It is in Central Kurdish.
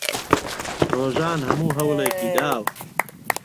ڕۆژان هەموو هەوڵێکی داوە.